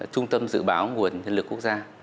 trung tâm dự báo nguồn nhân lực quốc gia